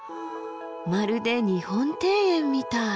まるで日本庭園みたい。